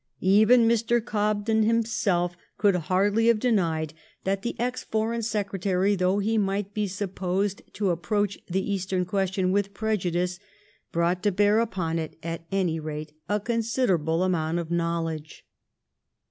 Even Mr. Gobden himself could hardly have denied that the ex Foreign Secretary^ though he might be supposed to approach the Eastern Question with prejudice, brought to bear upon it at any rate a considerable amount of knowledge.